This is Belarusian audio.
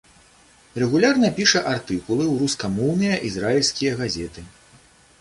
Рэгулярна піша артыкулы ў рускамоўныя ізраільскія газеты.